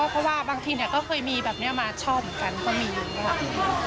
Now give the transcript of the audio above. เพราะว่าบางทีเนี่ยก็เคยมีแบบนี้มาชอบเหมือนกันก็มีเยอะ